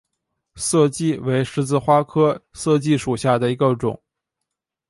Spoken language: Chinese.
涩荠为十字花科涩荠属下的一个种。